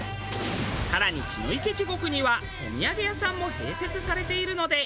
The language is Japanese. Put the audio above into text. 更に血の池地獄にはお土産屋さんも併設されているので。